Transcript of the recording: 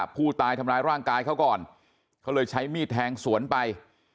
ผู้ตายทำร้ายร่างกายเขาก่อนเขาเลยใช้มีดแทงสวนไป